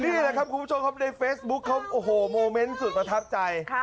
นี่แหละครับคุณผู้ชมครับในเฟซบุ๊คเขาโอ้โหโมเมนต์สุดประทับใจ